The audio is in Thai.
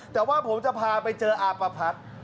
แต่ว่าผมจะพาไปเจออาประพัฒน์